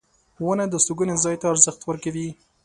• ونه د استوګنې ځای ته ارزښت ورکوي.